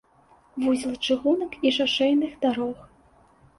Вузел чыгунак і шашэйных дарог.